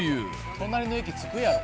隣の駅着くやろ。